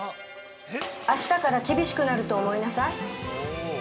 あしたから厳しくなると思いなさい。